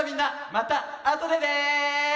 またあとでね！